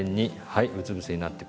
はい。